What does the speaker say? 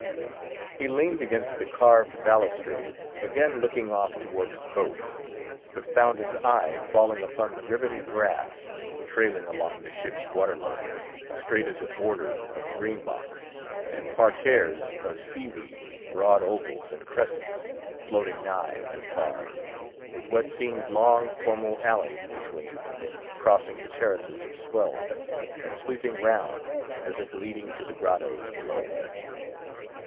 He leaned against the carved balustrade, again looking off toward his boat; but found his eye falling upon the ribbon grass, trailing along the ship's water line, straight as a border of green box; and parterres of sea weed, broad ovals and crescents, floating nigh and far, with what seemed long formal alleys between, crossing the terraces of swells, and sweeping round as if leading to the grottoes below.